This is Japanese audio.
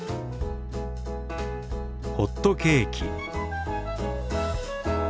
「ホットケーキ」。